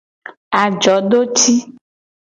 Ajodoci.